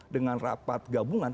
dengan rapat gabungan